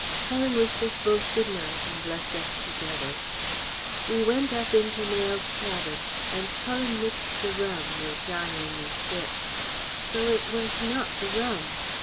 Helen wished us both good night, and left us together. We went up into Mayle's cabin and Cullen mixed the rum, which I only sipped. So it was not the rum.